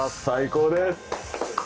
最高です！